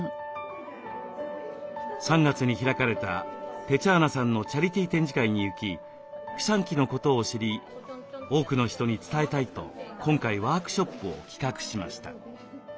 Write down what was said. ３月に開かれたテチャーナさんのチャリティー展示会に行きピサンキのことを知り多くの人に伝えたいと今回ワークショップを企画しました。